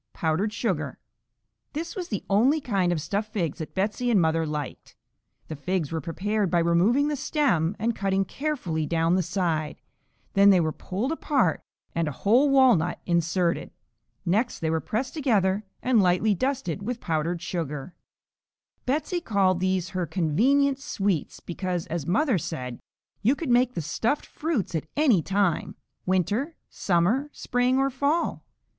Powdered sugar. This was the only kind of stuffed figs that Betsey and mother liked. The figs were prepared by removing the stem and cutting carefully down the side, then they were pulled apart and a whole walnut inserted. Next they were pressed together and lightly dusted with powdered sugar. Betsey called these her "convenient sweets" because, as mother said, you could make the stuffed fruits at any time: winter, summer, spring or fall.